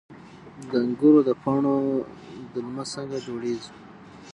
د انګورو د پاڼو دلمه څنګه جوړیږي؟